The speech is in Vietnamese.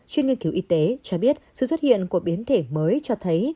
chuyên nghiên cứu y tế cho biết sự xuất hiện của biến thể mới cho thấy